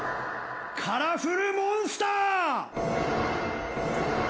カラフルモンスター！